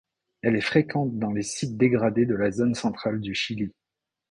Elle est fréquente dans les sites dégradés de la zone centrale du Chili.